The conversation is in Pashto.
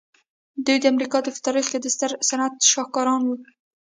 دوی د امریکا د صنعت په تاریخ کې د ستر صنعت شاهدان وو